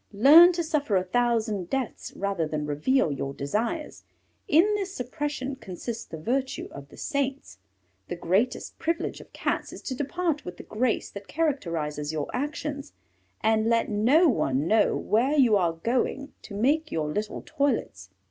Learn to suffer a thousand deaths rather than reveal your desires; in this suppression consists the virtue of the saints. The greatest privilege of Cats is to depart with the grace that characterizes your actions, and let no one know where you are going to make your little toilets.